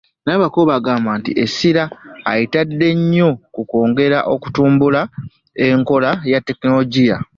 Nabakooba agamba nti essira gavumenti eritadde nnyo ku kwongera okutumbula enkola ya tekinologiya.